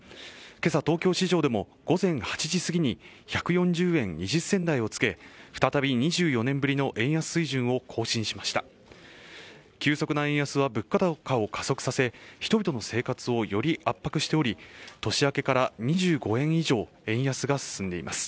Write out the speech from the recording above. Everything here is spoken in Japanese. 今朝東京市場でも午前８時過ぎに１４０円２０銭台をつけ再び２４年ぶりの円安水準を更新しました急速な円安は物価高を加速させ人々の生活をより圧迫しており年明けから２５円以上円安が進んでいます